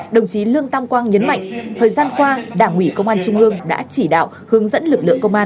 đồng chí lương tam quang nhấn mạnh thời gian qua đảng ủy công an trung ương đã chỉ đạo hướng dẫn lực lượng công an